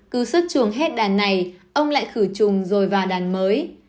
cứ xuất chuồng hết đàn này ông lại khử trùng rồi vào đàn mới